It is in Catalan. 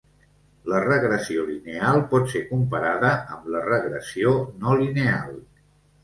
La regressió lineal pot ser comparada amb la regressió no lineal.